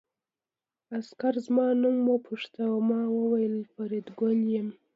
عسکر زما نوم وپوښت او ما وویل فریدګل یم